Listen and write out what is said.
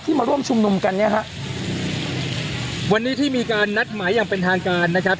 มาร่วมชุมนุมกันเนี้ยฮะวันนี้ที่มีการนัดหมายอย่างเป็นทางการนะครับ